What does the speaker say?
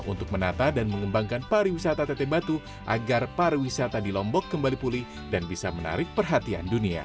untuk menata dan mengembangkan pariwisata teteh batu agar pariwisata di lombok kembali pulih dan bisa menarik perhatian dunia